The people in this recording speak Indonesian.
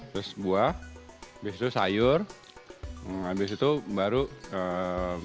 terus buah habis itu sayur habis itu baru